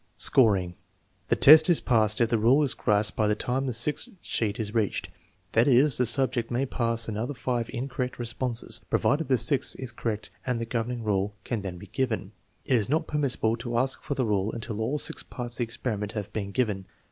Scoring. The test is passed if the rule is grasped by the time the sixth sheet is reached; that is, the subject may pass after five incorrect responses, provided the sixth is correct and the governing rule can then be given. It is not permissible to ask for the rule until all six parts of the experiment have been given.